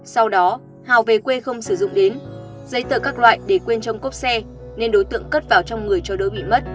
sau đó hào về quê không sử dụng đến giấy tờ các loại để quên trong cốp xe nên đối tượng cất vào trong người cho đối bị mất